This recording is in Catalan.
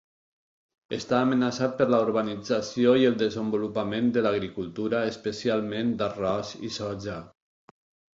Està amenaçat per la urbanització i el desenvolupament de l'agricultura, especialment d'arròs i soja.